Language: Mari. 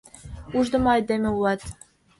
— Уждымо айдеме улат...